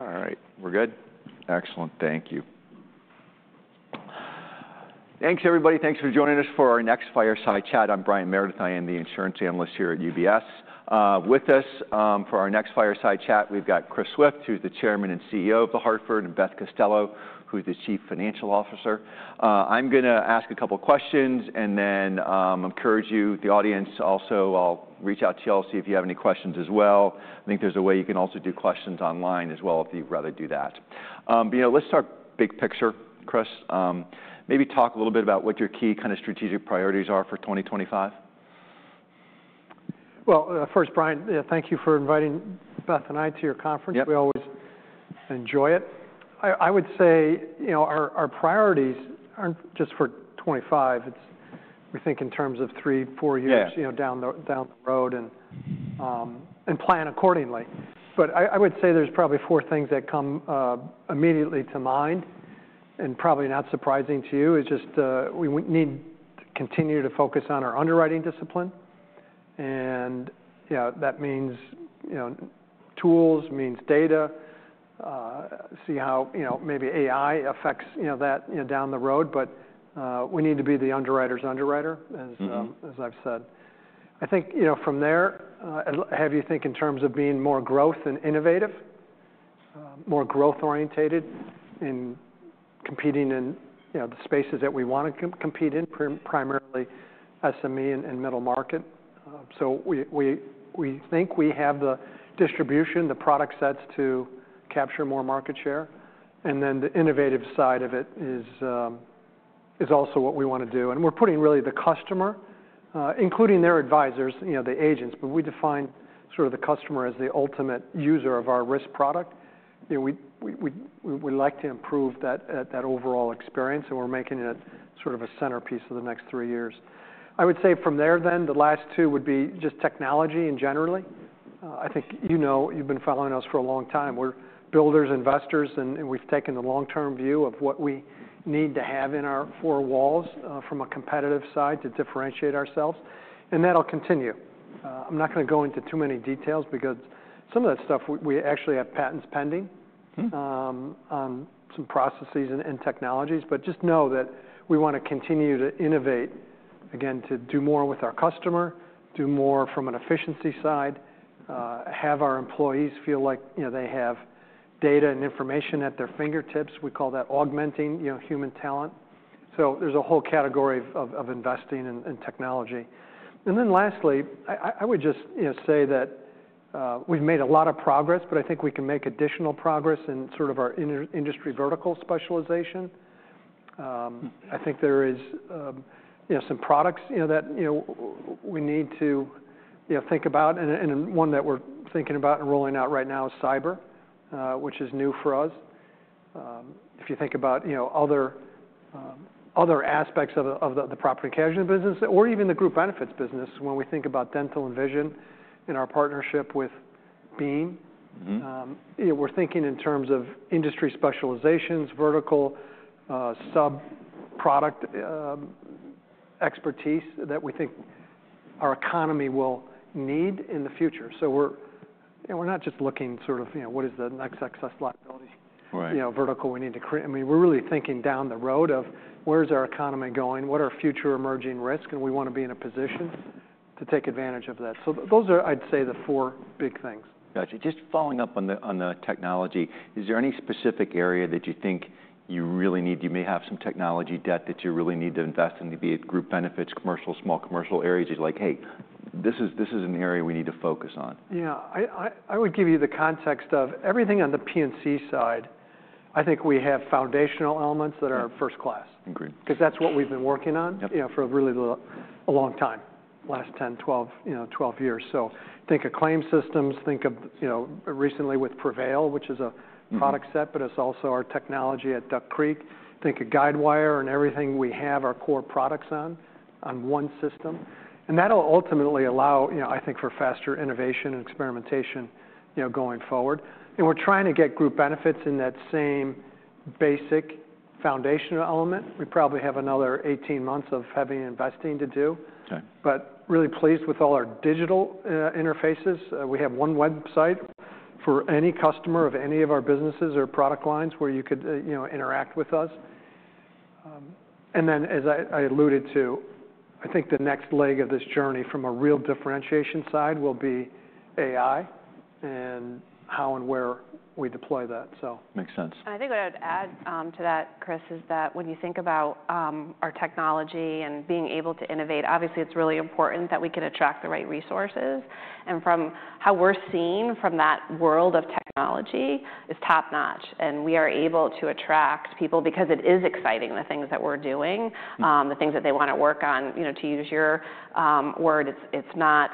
All right. We're good? Excellent. Thank you. Thanks, everybody. Thanks for joining us for our next fireside chat. I'm Brian Meredith. I am the insurance analyst here at UBS. With us for our next fireside chat, we've got Chris Swift, who's the Chairman and CEO of The Hartford, and Beth Costello, who's the Chief Financial Officer. I'm going to ask a couple of questions, and then encourage you, the audience, also, I'll reach out to y'all to see if you have any questions as well. I think there's a way you can also do questions online as well if you'd rather do that. But let's start big picture, Chris. Maybe talk a little bit about what your key kind of strategic priorities are for 2025. First, Brian, thank you for inviting Beth and I to your conference. We always enjoy it. I would say our priorities aren't just for 2025. We think in terms of three, four years down the road and plan accordingly. But I would say there's probably four things that come immediately to mind, and probably not surprising to you. It's just we need to continue to focus on our underwriting discipline. And that means tools, means data, see how maybe AI affects that down the road. But we need to be the underwriter's underwriter, as I've said. I think from there, we have to think in terms of being more growth and innovative, more growth-orientated in competing in the spaces that we want to compete in, primarily SME and Middle Market. So we think we have the distribution, the product sets to capture more market share. And then the innovative side of it is also what we want to do. And we're putting really the customer, including their advisors, the agents, but we define sort of the customer as the ultimate user of our risk product. We'd like to improve that overall experience, and we're making it sort of a centerpiece of the next three years. I would say from there, then, the last two would be just technology and generally. I think you know you've been following us for a long time. We're builders, investors, and we've taken the long-term view of what we need to have in our four walls from a competitive side to differentiate ourselves. And that'll continue. I'm not going to go into too many details because some of that stuff, we actually have patents pending on some processes and technologies. But just know that we want to continue to innovate, again, to do more with our customer, do more from an efficiency side, have our employees feel like they have data and information at their fingertips. We call that augmenting human talent. So there's a whole category of investing in technology. And then lastly, I would just say that we've made a lot of progress, but I think we can make additional progress in sort of our industry vertical specialization. I think there is some products that we need to think about. And one that we're thinking about and rolling out right now is cyber, which is new for us. If you think about other aspects of the property and casualty business, or even the Group Benefits business, when we think about dental and vision in our partnership with Beam, we're thinking in terms of industry specializations, vertical, sub-product expertise that we think our economy will need in the future. So we're not just looking sort of what is the next excess liability vertical we need to create. I mean, we're really thinking down the road of where is our economy going, what are future emerging risks, and we want to be in a position to take advantage of that. So those are, I'd say, the four big things. Gotcha. Just following up on the technology, is there any specific area that you think you really need? You may have some technical debt that you really need to invest in, be it Group Benefits, commercial, Small Commercial areas. You're like, "Hey, this is an area we need to focus on." Yeah. I would give you the context of everything on the P&C side. I think we have foundational elements that are first class. Agreed. Because that's what we've been working on for really a long time, last 10, 12 years. So think of claim systems, think of recently with Prevail, which is a product set, but it's also our technology at Duck Creek. Think of Guidewire and everything we have our core products on one system. And that'll ultimately allow, I think, for faster innovation and experimentation going forward. And we're trying to get Group Benefits in that same basic foundational element. We probably have another 18 months of heavy investing to do. But really pleased with all our digital interfaces. We have one website for any customer of any of our businesses or product lines where you could interact with us. And then, as I alluded to, I think the next leg of this journey from a real differentiation side will be AI and how and where we deploy that, so. Makes sense. I think what I would add to that, Chris, is that when you think about our technology and being able to innovate, obviously, it's really important that we can attract the right resources. And from how we're seen from that world of technology, it's top-notch. And we are able to attract people because it is exciting, the things that we're doing, the things that they want to work on. To use your word, it's not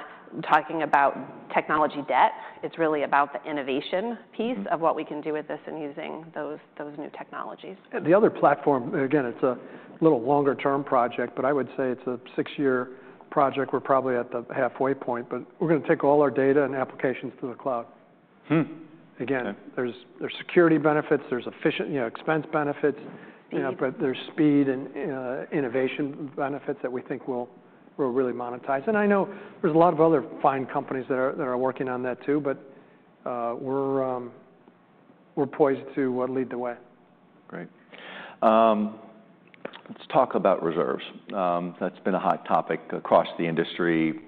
talking about technical debt. It's really about the innovation piece of what we can do with this and using those new technologies. The other platform, again, it's a little longer-term project, but I would say it's a six-year project. We're probably at the halfway point, but we're going to take all our data and applications to the cloud. Again, there's security benefits, there's efficient expense benefits, but there's speed and innovation benefits that we think we'll really monetize, and I know there's a lot of other fine companies that are working on that too, but we're poised to lead the way. Great. Let's talk about reserves. That's been a hot topic across the industry,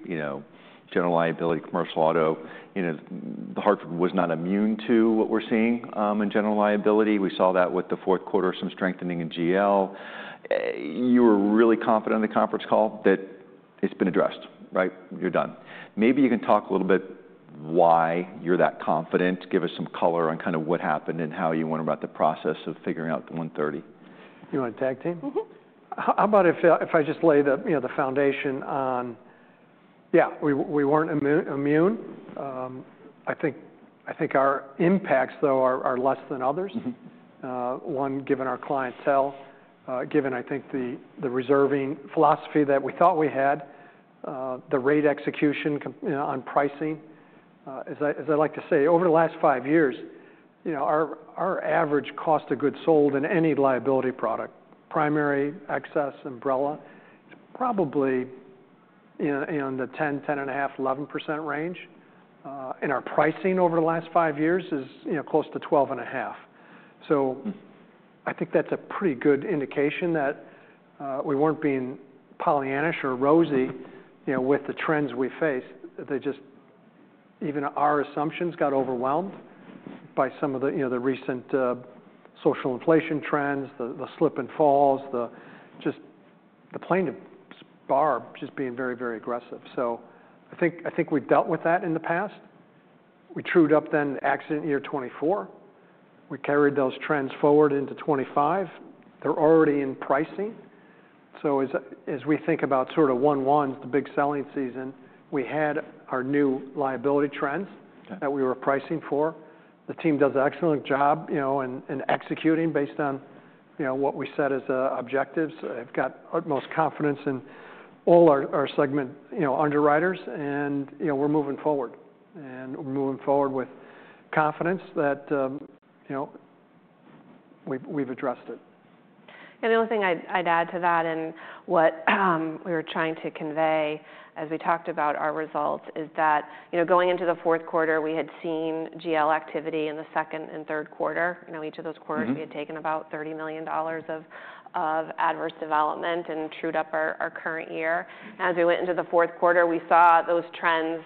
general liability, commercial auto. The Hartford was not immune to what we're seeing in general liability. We saw that with the fourth quarter, some strengthening in GL. You were really confident on the conference call that it's been addressed, right? You're done. Maybe you can talk a little bit why you're that confident, give us some color on kind of what happened and how you went about the process of figuring out the 130. You want to tag team? Mm-hmm. How about if I just lay the foundation on? Yeah, we weren't immune. I think our impacts, though, are less than others. One, given our clientele, given, I think, the reserving philosophy that we thought we had, the rate execution on pricing. As I like to say, over the last five years, our average cost of goods sold in any liability product, primary, excess, umbrella, is probably in the 10%,10.5%, 11% range. And our pricing over the last five years is close to 12.5%. So I think that's a pretty good indication that we weren't being Pollyannish or rosy with the trends we face. Even our assumptions got overwhelmed by some of the recent social inflation trends, the slip and falls, just the plaintiff bar just being very, very aggressive. So I think we've dealt with that in the past. We trued up the accident year 2024. We carried those trends forward into 2025. They're already in pricing. So as we think about sort of January 1, the big selling season, we had our new liability trends that we were pricing for. The team does an excellent job in executing based on what we set as objectives. I've got utmost confidence in all our segment underwriters, and we're moving forward, and we're moving forward with confidence that we've addressed it. And the only thing I'd add to that and what we were trying to convey as we talked about our results is that going into the fourth quarter, we had seen GL activity in the second and third quarter. Each of those quarters, we had taken about $30 million of adverse development and trued up our current year. As we went into the fourth quarter, we saw those trends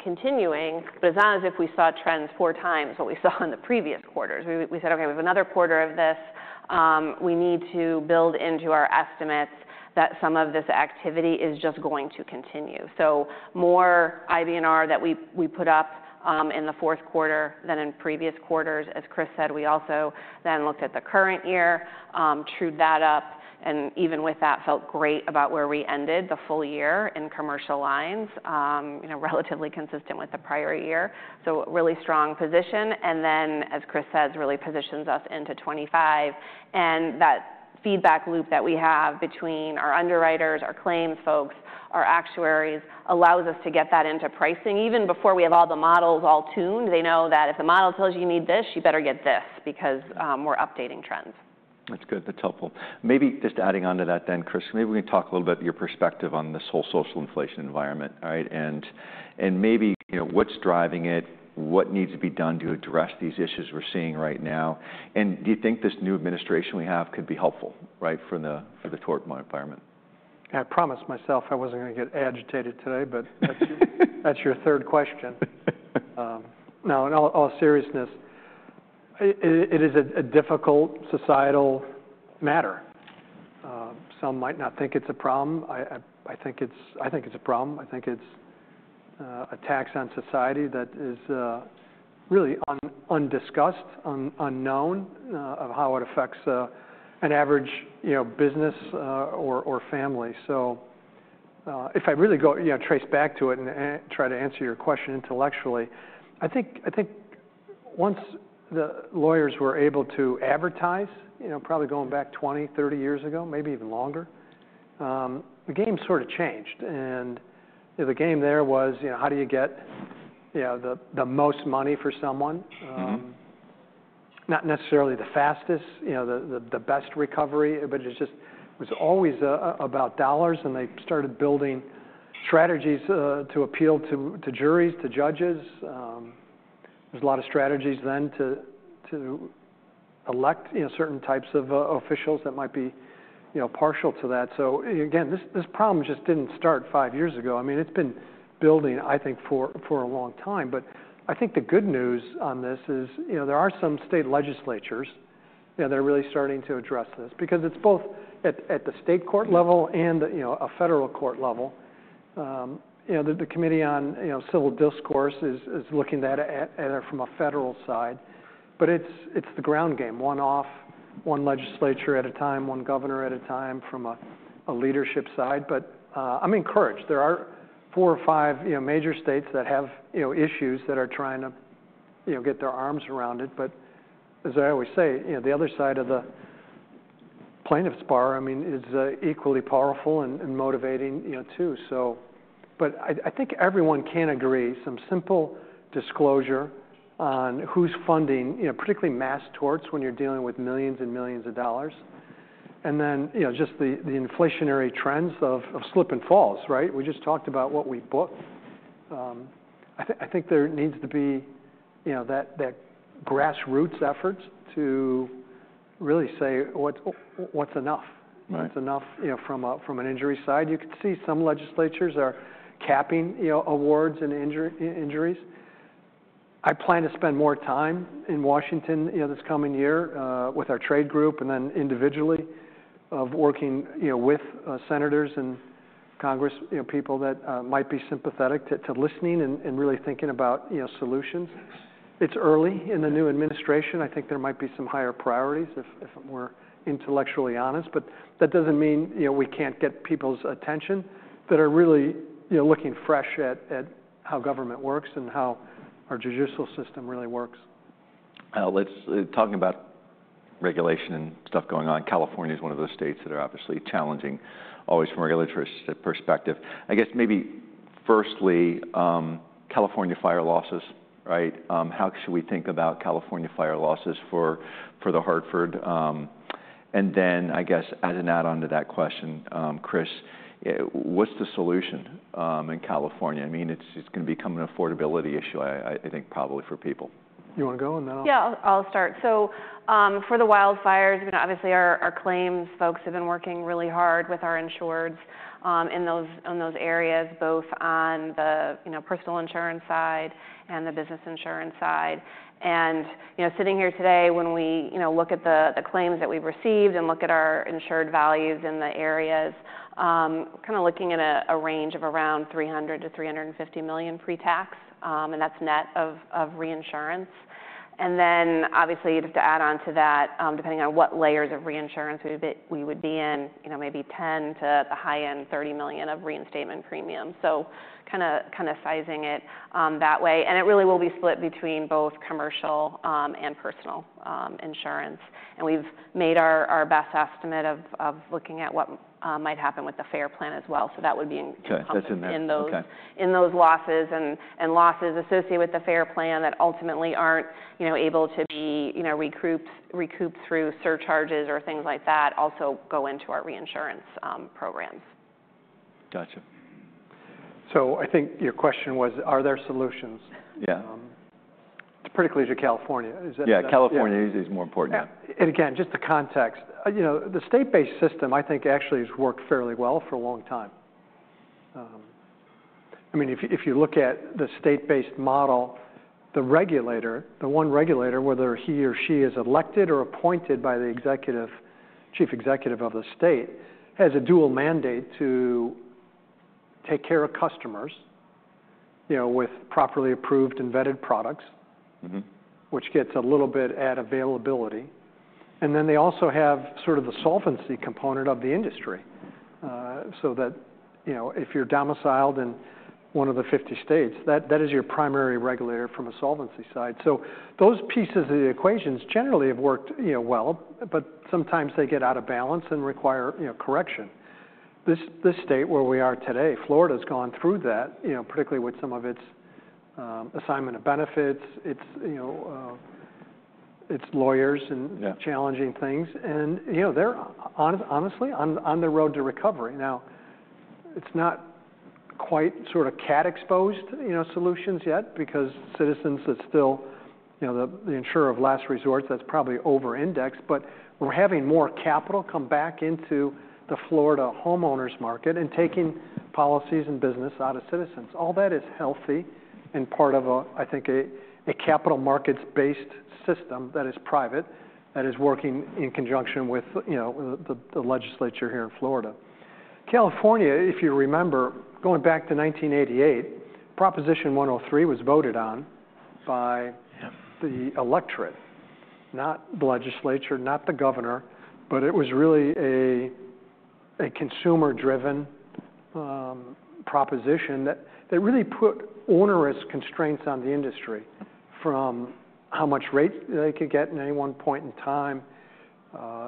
continuing. But it's not as if we saw trends four times what we saw in the previous quarters. We said, "Okay, we have another quarter of this. We need to build into our estimates that some of this activity is just going to continue." So more IBNR that we put up in the fourth quarter than in previous quarters. As Chris said, we also then looked at the current year, trued that up, and even with that, felt great about where we ended the full year in Commercial Lines, relatively consistent with the prior year. So really strong position. And then, as Chris says, really positions us into 2025. And that feedback loop that we have between our underwriters, our claims folks, our actuaries allows us to get that into pricing. Even before we have all the models all tuned, they know that if the model tells you you need this, you better get this because we're updating trends. That's good. That's helpful. Maybe just adding on to that then, Chris, maybe we can talk a little bit about your perspective on this whole social inflation environment, right? And maybe what's driving it, what needs to be done to address these issues we're seeing right now. And do you think this new administration we have could be helpful, right, for the tort environment? I promised myself I wasn't going to get agitated today, but that's your third question. Now, in all seriousness, it is a difficult societal matter. Some might not think it's a problem. I think it's a problem. I think it's a tax on society that is really undiscussed, unknown, of how it affects an average business or family. So if I really go trace back to it and try to answer your question intellectually, I think once the lawyers were able to advertise, probably going back 20-30 years ago, maybe even longer, the game sort of changed. And the game there was how do you get the most money for someone, not necessarily the fastest, the best recovery, but it was always about dollars. And they started building strategies to appeal to juries, to judges. There's a lot of strategies then to elect certain types of officials that might be partial to that. So again, this problem just didn't start five years ago. I mean, it's been building, I think, for a long time. But I think the good news on this is there are some state legislatures that are really starting to address this because it's both at the state court level and a federal court level. The Committee on Civil Discourse is looking at it from a federal side. But it's the ground game, one off, one legislature at a time, one governor at a time from a leadership side. But I'm encouraged. There are four or five major states that have issues that are trying to get their arms around it. But as I always say, the other side of the plaintiff's bar, I mean, is equally powerful and motivating too. But I think everyone can agree some simple disclosure on who's funding, particularly mass torts when you're dealing with millions and millions of dollars. And then just the inflationary trends of slip and falls, right? We just talked about what we book. I think there needs to be that grassroots effort to really say what's enough. What's enough from an injury side? You could see some legislators are capping awards and injuries. I plan to spend more time in Washington this coming year with our trade group and then individually working with senators and congresspeople that might be sympathetic to listening and really thinking about solutions. It's early in the new administration. I think there might be some higher priorities if we're intellectually honest. But that doesn't mean we can't get people's attention that are really looking fresh at how government works and how our judicial system really works. Let's talk about regulation and stuff going on. California is one of those states that are obviously challenging always from a regulatory perspective. I guess maybe firstly, California fire losses, right? How should we think about California fire losses for The Hartford? And then, I guess as an add-on to that question, Chris, what's the solution in California? I mean, it's going to become an affordability issue, I think, probably for people. You want to go? And then I'll. Yeah, I'll start. So for the wildfires, obviously our claims folks have been working really hard with our insureds in those areas, both on the personal insurance side and the business insurance side. And sitting here today when we look at the claims that we've received and look at our insured values in the areas, kind of looking at a range of around $300 million-$350 million pre-tax, and that's net of reinsurance. And then obviously you'd have to add on to that depending on what layers of reinsurance we would be in, maybe $10 million-$30 million of reinstatement premium. So kind of sizing it that way. And it really will be split between both commercial and personal insurance. And we've made our best estimate of looking at what might happen with the FAIR Plan as well. So that would be in those losses and losses associated with the FAIR Plan that ultimately aren't able to be recouped through surcharges or things like that also go into our reinsurance programs. Gotcha. So I think your question was, are there solutions? Yeah. It's particularly to California. Is that? Yeah, California is more important. Again, just the context, the state-based system I think actually has worked fairly well for a long time. I mean, if you look at the state-based model, the regulator, the one regulator, whether he or she is elected or appointed by the chief executive of the state, has a dual mandate to take care of customers with properly approved and vetted products, which gets a little bit at availability. And then they also have sort of the solvency component of the industry. So that if you're domiciled in one of the 50 states, that is your primary regulator from a solvency side. So those pieces of the equations generally have worked well, but sometimes they get out of balance and require correction. This state, where we are today, Florida, has gone through that, particularly with some of its assignment of benefits, its lawyers and challenging things. And they're honestly on the road to recovery. Now, it's not quite sort of cat-exposed solutions yet because Citizens are still the insurer of last resort. That's probably over-indexed. But we're having more capital come back into the Florida homeowners market and taking policies and business out of Citizens. All that is healthy and part of, I think, a capital markets-based system that is private, that is working in conjunction with the legislature here in Florida. California, if you remember, going back to 1988, Proposition 103 was voted on by the electorate, not the legislature, not the governor, but it was really a consumer-driven proposition that really put onerous constraints on the industry from how much rate they could get in any one point in time,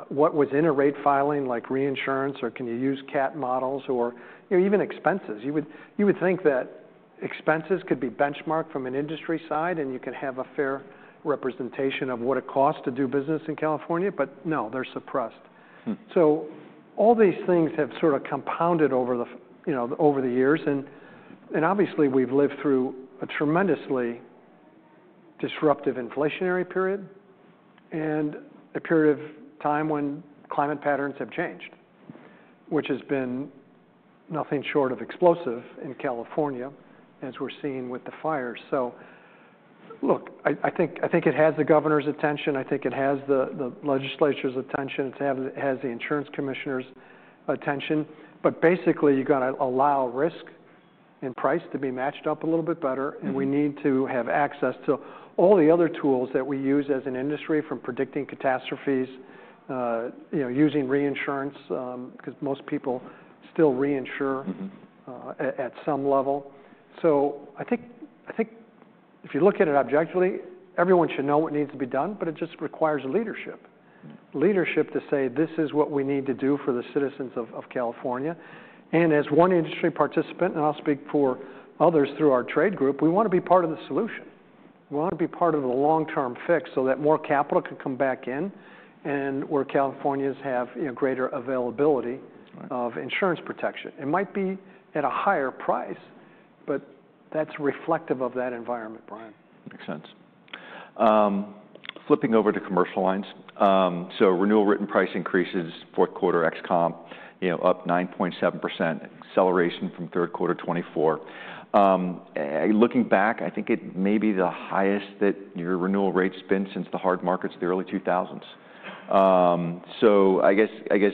what was in a rate filing like reinsurance, or can you use CAT models, or even expenses. You would think that expenses could be benchmarked from an industry side and you can have a fair representation of what it costs to do business in California, but no, they're suppressed. So all these things have sort of compounded over the years. And obviously, we've lived through a tremendously disruptive inflationary period and a period of time when climate patterns have changed, which has been nothing short of explosive in California, as we're seeing with the fires. So look, I think it has the governor's attention. I think it has the legislature's attention. It has the insurance commissioner's attention. But basically, you've got to allow risk and price to be matched up a little bit better. And we need to have access to all the other tools that we use as an industry from predicting catastrophes, using reinsurance, because most people still reinsure at some level. So I think if you look at it objectively, everyone should know what needs to be done, but it just requires leadership. Leadership to say, "This is what we need to do for the citizens of California." And as one industry participant, and I'll speak for others through our trade group, we want to be part of the solution. We want to be part of the long-term fix so that more capital can come back in and where Californians have greater availability of insurance protection. It might be at a higher price, but that's reflective of that environment, Brian. Makes sense. Flipping over to Commercial Lines. So, renewal written price increases, fourth quarter ex comp up 9.7%, acceleration from third quarter 2024. Looking back, I think it may be the highest that your renewal rates been since the hard markets, the early 2000s. So, I guess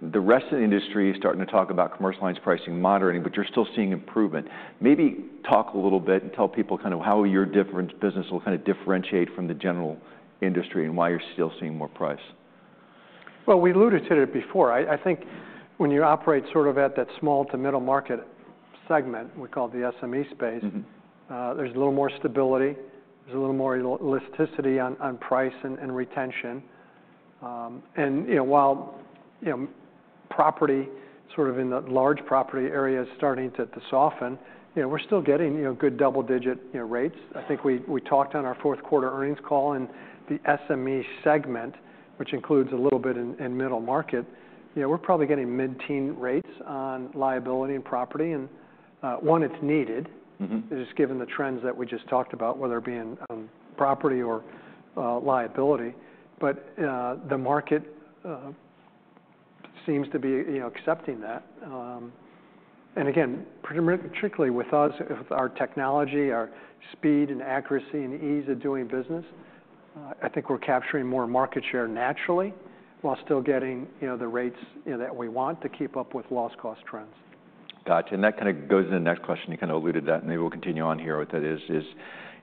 the rest of the industry is starting to talk about Commercial Lines pricing moderating, but you're still seeing improvement. Maybe talk a little bit and tell people kind of how your business will kind of differentiate from the general industry and why you're still seeing more price. We alluded to it before. I think when you operate sort of at that Small to Middle Market segment, we call it the SME space, there's a little more stability. There's a little more elasticity on price and retention. And while property sort of in the large property area is starting to soften, we're still getting good double-digit rates. I think we talked on our fourth quarter earnings call and the SME segment, which includes a little bit in Middle Market, we're probably getting mid-teen rates on liability and property. And one, it's needed, just given the trends that we just talked about, whether it be in property or liability. But the market seems to be accepting that. And again, particularly with our technology, our speed and accuracy and ease of doing business, I think we're capturing more market share naturally while still getting the rates that we want to keep up with loss cost trends. Gotcha. And that kind of goes into the next question. You kind of alluded to that, and maybe we'll continue on here with it.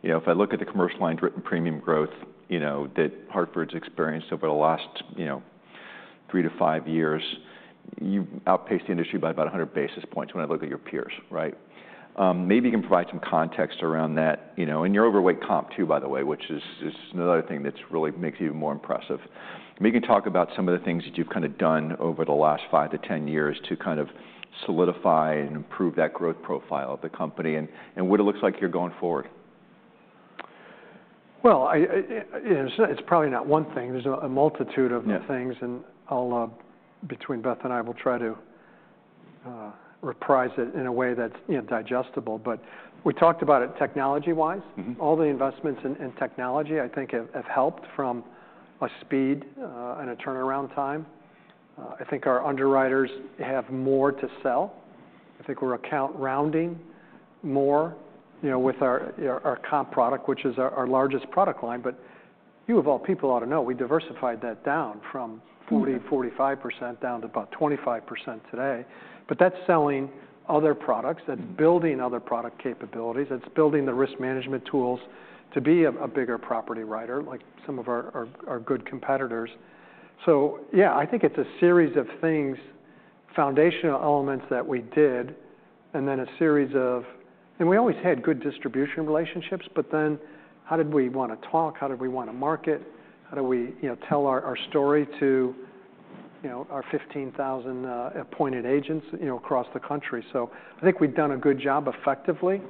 If I look at the Commercial Lines written premium growth that Hartford's experienced over the last three to five years, you outpaced the industry by about 100 basis points when I look at your peers, right? Maybe you can provide some context around that. And you're overweight comp too, by the way, which is another thing that really makes you even more impressive. Maybe you can talk about some of the things that you've kind of done over the last five to ten years to kind of solidify and improve that growth profile of the company and what it looks like you're going forward. It's probably not one thing. There's a multitude of things. And between Beth and I, we'll try to reprise it in a way that's digestible. But we talked about it technology-wise. All the investments in technology, I think, have helped from a speed and a turnaround time. I think our underwriters have more to sell. I think we're account rounding more with our comp product, which is our largest product line. But you, of all people, ought to know we diversified that down from 40%-45% down to about 25% today. But that's selling other products. That's building other product capabilities. That's building the risk management tools to be a bigger property writer like some of our good competitors. So yeah, I think it's a series of things, foundational elements that we did, and then a series of, and we always had good distribution relationships, but then how did we want to talk? How did we want to market? How do we tell our story to our 15,000 appointed agents across the country? So I think we've done a good job effectively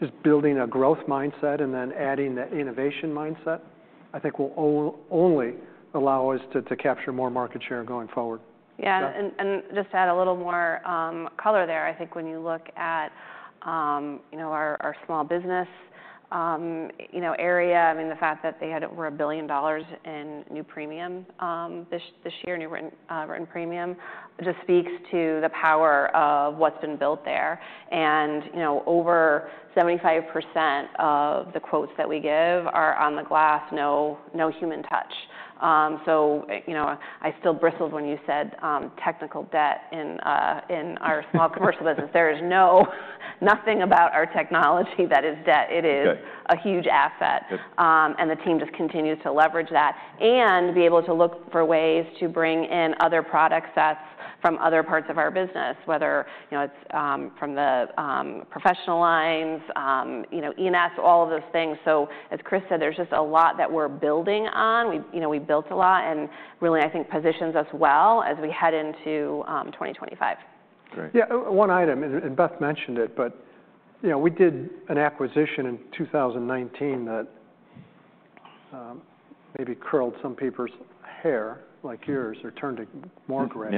just building a growth mindset and then adding that innovation mindset, I think will only allow us to capture more market share going forward. Yeah. And just to add a little more color there, I think when you look at our small business area, I mean, the fact that they had over $1 billion in new premium this year, new written premium, just speaks to the power of what's been built there. And over 75% of the quotes that we give are on the glass, no human touch. So I still bristled when you said technical debt in our Small Commercial business. There is nothing about our technology that is debt. It is a huge asset. And the team just continues to leverage that and be able to look for ways to bring in other product sets from other parts of our business, whether it's from the professional lines, E&S, all of those things. So as Chris said, there's just a lot that we're building on. We built a lot and really, I think, positions us well as we head into 2025. Yeah, one item, and Beth mentioned it, but we did an acquisition in 2019 that maybe curled some people's hair like yours or turned it more gray.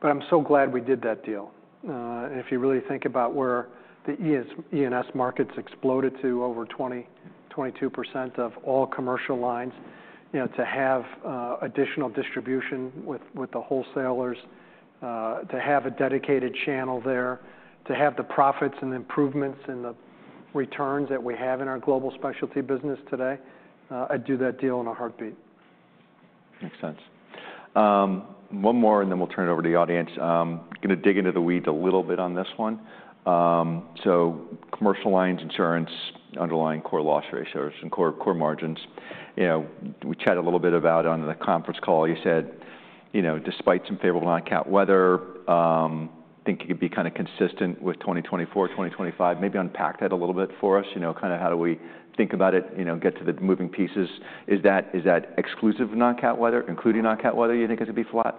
But I'm so glad we did that deal. And if you really think about where the E&S markets exploded to over 20%-22% of all Commercial Lines, to have additional distribution with the wholesalers, to have a dedicated channel there, to have the profits and improvements and the returns that we have in our Global Specialty business today, I'd do that deal in a heartbeat. Makes sense. One more, and then we'll turn it over to the audience. I'm going to dig into the weeds a little bit on this one. So Commercial Lines insurance, underlying core loss ratios and core margins. We chatted a little bit about on the conference call. You said despite some favorable non-CAT weather, I think you could be kind of consistent with 2024, 2025, maybe unpack that a little bit for us, kind of how do we think about it, get to the moving pieces. Is that exclusive of non-CAT weather, including non-CAT weather, you think it's going to be flat?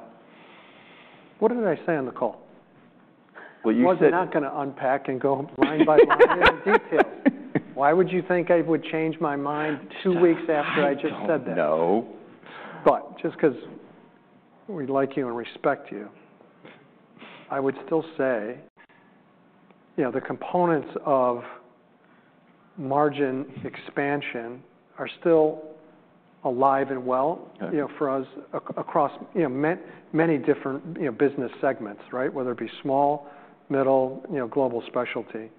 What did I say on the call? You said. Was not going to unpack and go line by line into details. Why would you think I would change my mind two weeks after I just said that? No. But just because we like you and respect you, I would still say the components of margin expansion are still alive and well for us across many different business segments, right? Whether it be small, middle, Global Specialty.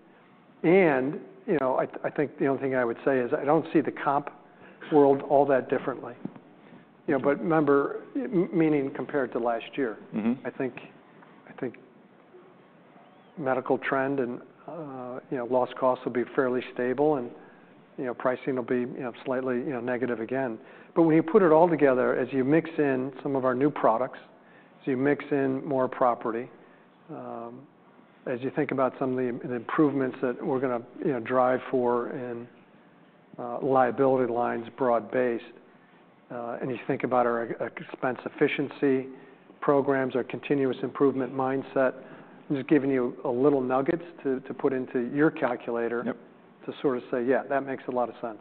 And I think the only thing I would say is I don't see the comp world all that differently. But remember, meaning compared to last year, I think medical trend and loss costs will be fairly stable and pricing will be slightly negative again. But when you put it all together, as you mix in some of our new products, as you mix in more property, as you think about some of the improvements that we're going to drive for in liability lines, broad-based, and you think about our expense efficiency programs, our continuous improvement mindset, just giving you a little nuggets to put into your calculator to sort of say, yeah, that makes a lot of sense.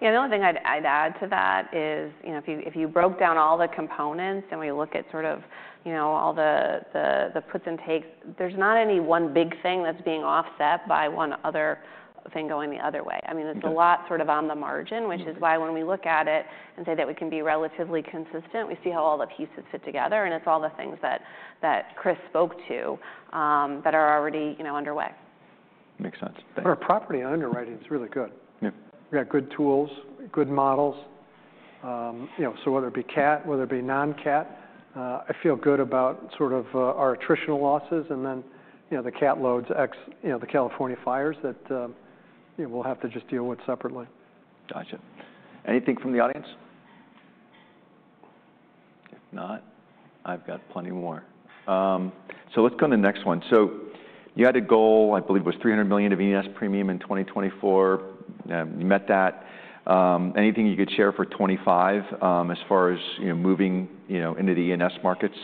Yeah. The only thing I'd add to that is if you broke down all the components and we look at sort of all the puts and takes, there's not any one big thing that's being offset by one other thing going the other way. I mean, there's a lot sort of on the margin, which is why when we look at it and say that we can be relatively consistent, we see how all the pieces fit together. And it's all the things that Chris spoke to that are already underway. Makes sense. Our property underwriting is really good. We got good tools, good models. So whether it be CAT, whether it be non-CAT, I feel good about sort of our attritional losses and then the CAT loads ex, the California fires that we'll have to just deal with separately. Gotcha. Anything from the audience? If not, I've got plenty more. So let's go to the next one. So you had a goal, I believe it was $300 million of E&S premium in 2024. You met that. Anything you could share for 2025 as far as moving into the E&S markets?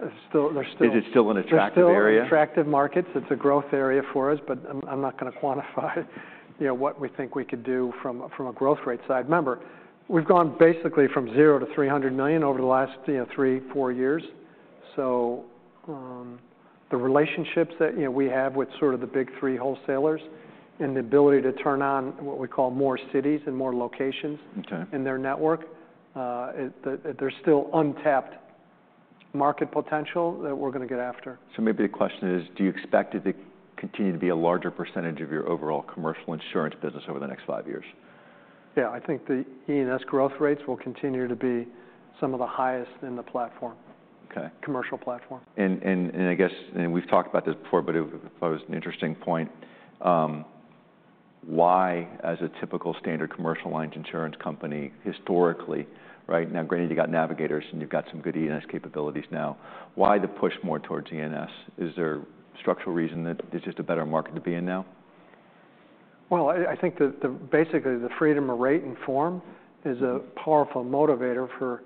No. There's still. Is it still an attractive area? There's still attractive markets. It's a growth area for us, but I'm not going to quantify what we think we could do from a growth rate side. Remember, we've gone basically from zero to $300 million over the last three, four years, so the relationships that we have with sort of the big three wholesalers and the ability to turn on what we call more cities and more locations in their network. There's still untapped market potential that we're going to get after. So maybe the question is, do you expect it to continue to be a larger percentage of your overall commercial insurance business over the next five years? Yeah. I think the E&S growth rates will continue to be some of the highest in the platform, commercial platform. And I guess we've talked about this before, but it was an interesting point. Why, as a typical standard Commercial Lines insurance company historically, right? Now, granted, you got Navigators and you've got some good E&S capabilities now. Why the push more towards E&S? Is there a structural reason that it's just a better market to be in now? I think basically the freedom of rate and form is a powerful motivator for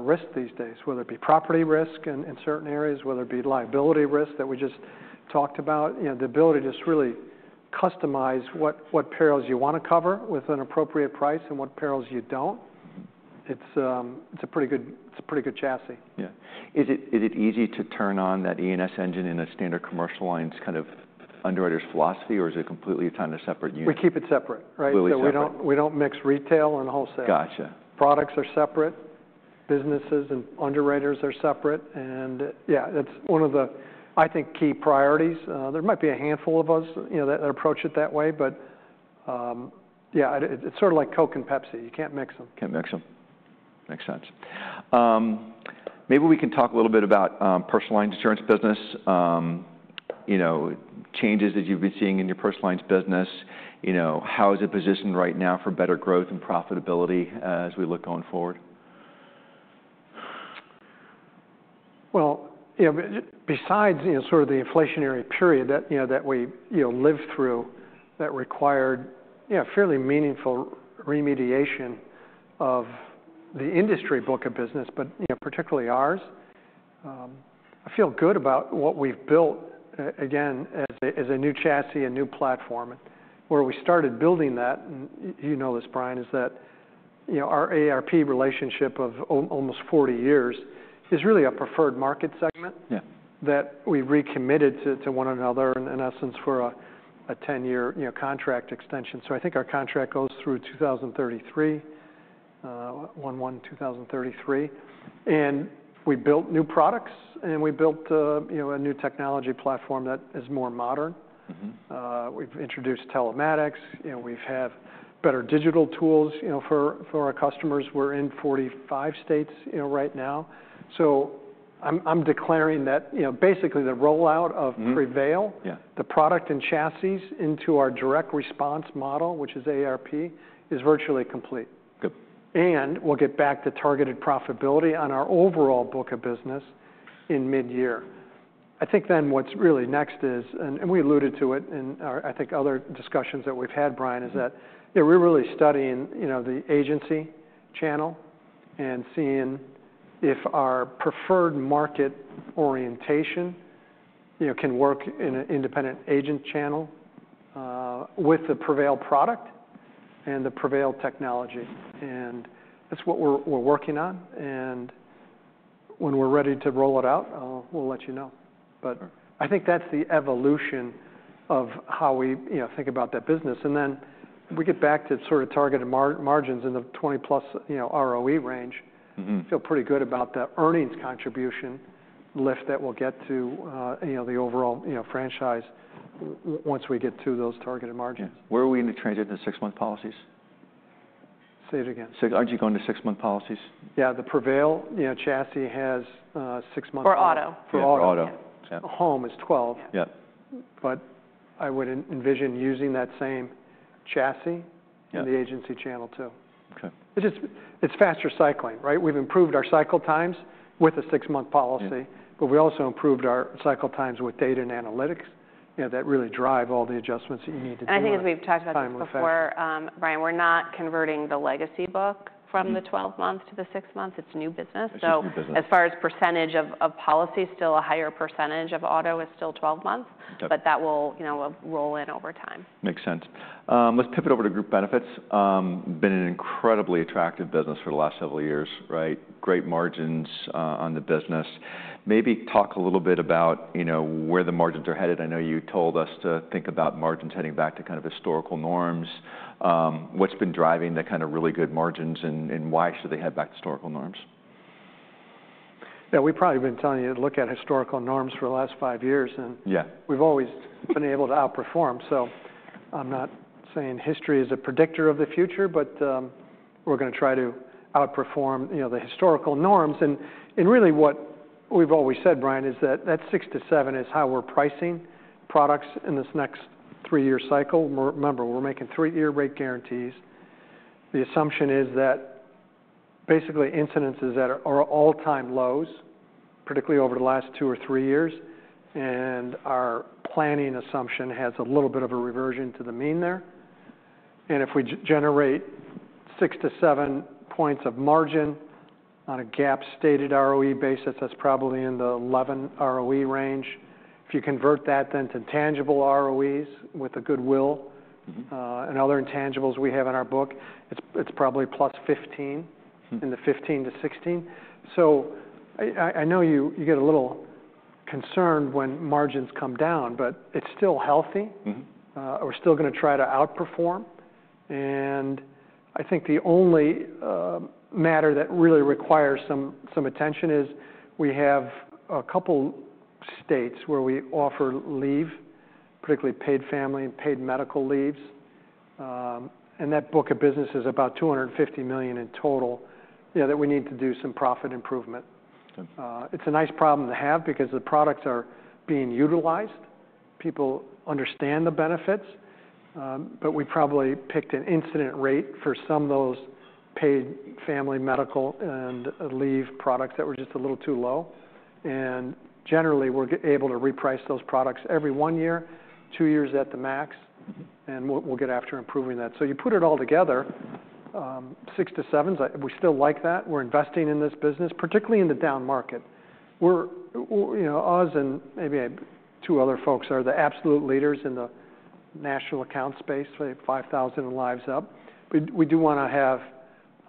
risk these days, whether it be property risk in certain areas, whether it be liability risk that we just talked about. The ability to just really customize what perils you want to cover with an appropriate price and what perils you don't, it's a pretty good chassis. Yeah. Is it easy to turn on that E&S engine in a standard Commercial Lines kind of underwriter's philosophy, or is it completely a kind of separate unit? We keep it separate, right? So we don't mix retail and wholesale. Gotcha. Products are separate. Businesses and underwriters are separate. And yeah, that's one of the, I think, key priorities. There might be a handful of us that approach it that way, but yeah, it's sort of like Coke and Pepsi. You can't mix them. Can't mix them. Makes sense. Maybe we can talk a little bit about Personal Lines insurance business, changes that you've been seeing in your Personal Lines business. How is it positioned right now for better growth and profitability as we look going forward? Well, besides sort of the inflationary period that we lived through that required fairly meaningful remediation of the industry book of business, but particularly ours, I feel good about what we've built, again, as a new chassis, a new platform. Where we started building that, and you know this, Brian, is that our AARP relationship of almost 40 years is really a preferred market segment that we recommitted to one another in essence for a 10-year contract extension. So I think our contract goes through 2033, January 1, 2033. And we built new products and we built a new technology platform that is more modern. We've introduced telematics. We've had better digital tools for our customers. We're in 45 states right now. So I'm declaring that basically the rollout of Prevail, the product and chassis into our direct response model, which is AARP, is virtually complete. And we'll get back to targeted profitability on our overall book of business in mid-year. I think then what's really next is, and we alluded to it in our, I think, other discussions that we've had, Brian, is that we're really studying the agency channel and seeing if our preferred market orientation can work in an independent agent channel with the Prevail product and the Prevail technology. And that's what we're working on. And when we're ready to roll it out, we'll let you know. But I think that's the evolution of how we think about that business. And then we get back to sort of targeted margins in the 20%+ ROE range. I feel pretty good about the earnings contribution lift that we'll get to the overall franchise once we get to those targeted margins. Where are we in the transition to six-month policies? Say it again. Aren't you going to six-month policies? Yeah. The Prevail chassis has six months. For auto. For auto. Home is 12. But I would envision using that same chassis in the agency channel too. It's faster cycling, right? We've improved our cycle times with a six-month policy, but we also improved our cycle times with data and analytics that really drive all the adjustments that you need to do. I think as we've talked about this before, Brian, we're not converting the legacy book from the 12-month to the six-month. It's new business, so as far as percentage of policy, still a higher percentage of auto is still 12 months, but that will roll in over time. Makes sense. Let's pivot over to Group Benefits. Been an incredibly attractive business for the last several years, right? Great margins on the business. Maybe talk a little bit about where the margins are headed. I know you told us to think about margins heading back to kind of historical norms. What's been driving the kind of really good margins and why should they head back to historical norms? Yeah. We've probably been telling you to look at historical norms for the last five years, and we've always been able to outperform. So I'm not saying history is a predictor of the future, but we're going to try to outperform the historical norms. And really what we've always said, Brian, is that that six to seven is how we're pricing products in this next three-year cycle. Remember, we're making three-year rate guarantees. The assumption is that basically incidences that are all-time lows, particularly over the last two or three years, and our planning assumption has a little bit of a reversion to the mean there. And if we generate six to seven points of margin on a GAAP-stated ROE basis, that's probably in the 11% ROE range. If you convert that then to tangible ROE with a goodwill and other intangibles we have in our book, it's probably +15% in the 15%-16%. So I know you get a little concerned when margins come down, but it's still healthy. We're still going to try to outperform. And I think the only matter that really requires some attention is we have a couple states where we offer leave, particularly paid family and paid medical leaves. And that book of business is about $250 million in total that we need to do some profit improvement. It's a nice problem to have because the products are being utilized. People understand the benefits, but we probably picked an incident rate for some of those paid family medical and leave products that were just a little too low. Generally, we're able to reprice those products every one year, two years at the max, and we'll get after improving that. So you put it all together, six to sevens, we still like that. We're investing in this business, particularly in the down market. Us and maybe two other folks are the absolute leaders in the national account space, 5,000 and lives up. But we do want to have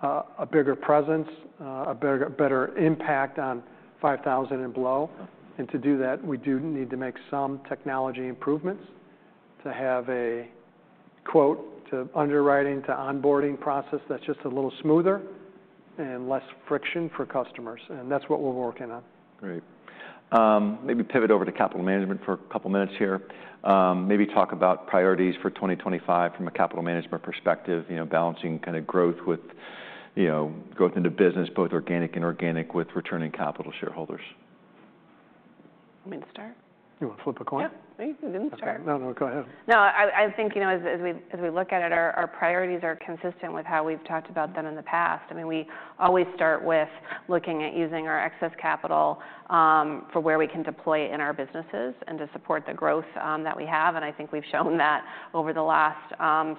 a bigger presence, a better impact on 5,000 and below. And to do that, we do need to make some technology improvements to have a quote to underwriting to onboarding process that's just a little smoother and less friction for customers. And that's what we're working on. Great. Maybe pivot over to capital management for a couple of minutes here. Maybe talk about priorities for 2025 from a capital management perspective, balancing kind of growth with growth in business, both organic and inorganic, with returning capital to shareholders. You want to start? You want to flip a coin? Yeah. You can start. No, no, go ahead. No, I think as we look at it, our priorities are consistent with how we've talked about them in the past. I mean, we always start with looking at using our excess capital for where we can deploy it in our businesses and to support the growth that we have. And I think we've shown that over the last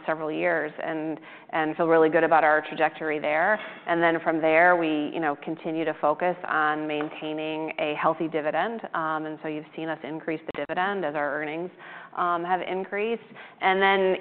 several years and feel really good about our trajectory there. And then from there, we continue to focus on maintaining a healthy dividend. And so you've seen us increase the dividend as our earnings have increased. And then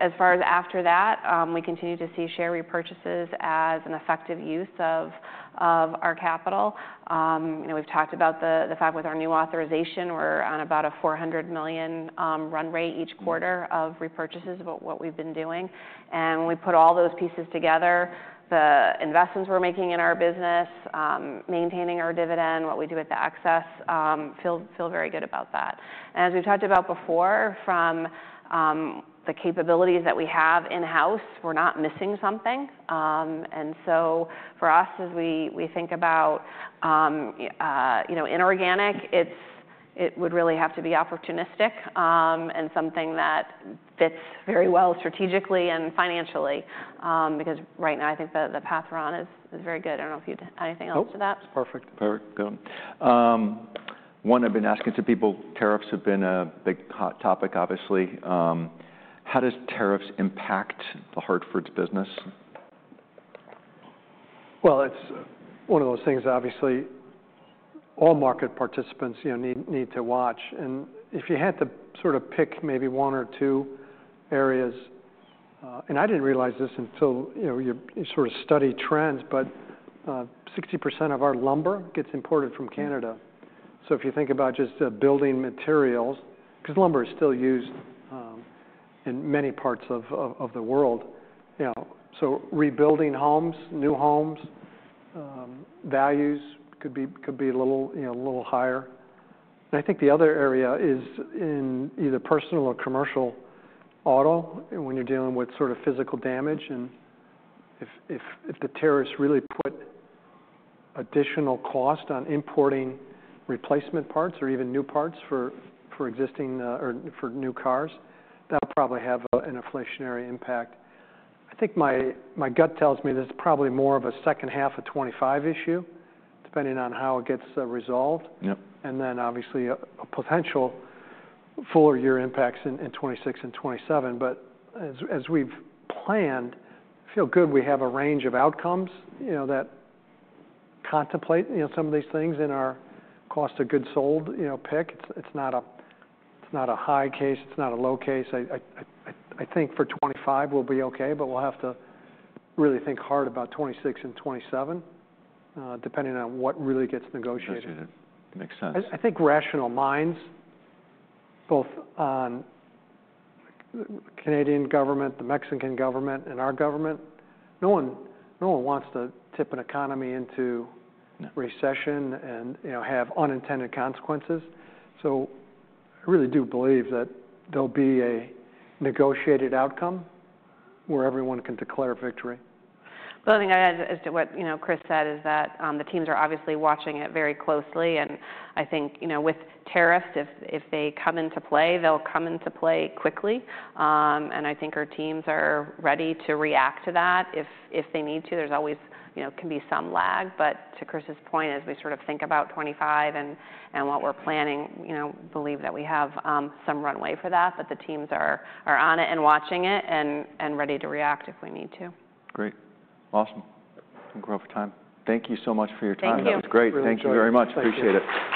as far as after that, we continue to see share repurchases as an effective use of our capital. We've talked about the fact with our new authorization, we're on about a $400 million run rate each quarter of repurchases of what we've been doing. And when we put all those pieces together, the investments we're making in our business, maintaining our dividend, what we do with the excess, feel very good about that. And as we've talked about before, from the capabilities that we have in-house, we're not missing something. And so for us, as we think about inorganic, it would really have to be opportunistic and something that fits very well strategically and financially because right now I think the path we're on is very good. I don't know if you had anything else to add. Nope. It's perfect. Very good. One, I've been asking some people, tariffs have been a big hot topic, obviously. How does tariffs impact The Hartford's business? It's one of those things, obviously, all market participants need to watch. And if you had to sort of pick maybe one or two areas, and I didn't realize this until you sort of study trends, but 60% of our lumber gets imported from Canada. So if you think about just building materials, because lumber is still used in many parts of the world, so rebuilding homes, new homes, values could be a little higher. And I think the other area is in either personal or commercial auto when you're dealing with sort of physical damage. And if the tariffs really put additional cost on importing replacement parts or even new parts for existing or for new cars, that'll probably have an inflationary impact. I think my gut tells me this is probably more of a second half of 2025 issue, depending on how it gets resolved. And then obviously a potential fuller year impacts in 2026 and 2027. But as we've planned, I feel good we have a range of outcomes that contemplate some of these things in our cost of goods sold pick. It's not a high case. It's not a low case. I think for 2025 we'll be okay, but we'll have to really think hard about 2026 and 2027, depending on what really gets negotiated. Negotiated. Makes sense. I think rational minds, both on the Canadian government, the Mexican government, and our government, no one wants to tip an economy into recession and have unintended consequences. So I really do believe that there'll be a negotiated outcome where everyone can declare victory. The other thing I add as to what Chris said is that the teams are obviously watching it very closely. And I think with tariffs, if they come into play, they'll come into play quickly. And I think our teams are ready to react to that if they need to. There can always be some lag. But to Chris's point, as we sort of think about 2025 and what we're planning, believe that we have some runway for that, but the teams are on it and watching it and ready to react if we need to. Great. Awesome. We're over time. Thank you so much for your time. Thank you. It was great. Thank you very much. Appreciate it.